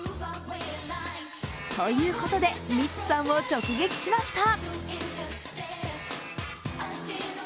ということでミッツさんを直撃しました。